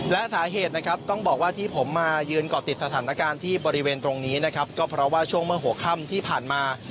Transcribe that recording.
และสาเหตุนะครับต้องบอกว่าที่ผมมายืนเกาะติดสถานการณ์ที่บริเวณตรงนี้นะครับก็เพราะว่าช่วงเมื่อหัวค่ำที่ผ่านมา